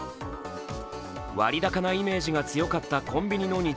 割高なイメージが強かったコンビニの日